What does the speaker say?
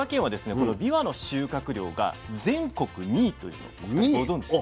このびわの収穫量が全国２位ということご存じでした？